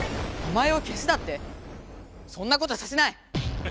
名前をけすだって⁉そんなことさせない！